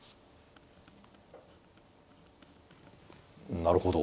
なるほど。